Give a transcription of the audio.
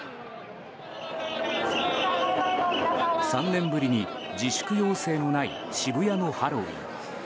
３年ぶりに自粛要請のない渋谷のハロウィーン。